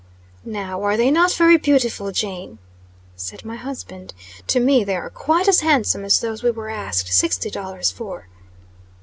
"Now, are they not very beautiful, Jane?" said my husband. "To me they are quite as handsome as those we were asked sixty dollars for."